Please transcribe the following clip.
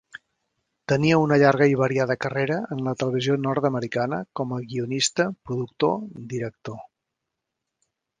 Tenia una llarga i variada carrera en la televisió nord-americana com a guionista, productor, director.